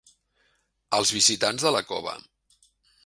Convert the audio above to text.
Els visitants de la cova.